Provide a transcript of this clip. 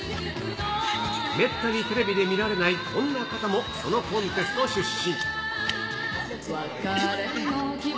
めったにテレビで見られないこんな方も、そのコンテスト出身。